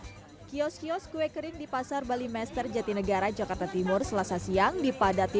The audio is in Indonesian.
hai kios kios kue kering di pasar balimester jatinegara jakarta timur selasa siang dipadati